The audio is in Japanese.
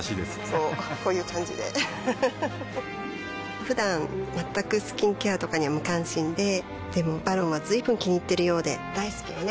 こうこういう感じでうふふふだん全くスキンケアとかに無関心ででも「ＶＡＲＯＮ」は随分気にいっているようで大好きよね